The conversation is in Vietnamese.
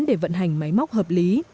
để vận hành máy móc hợp lý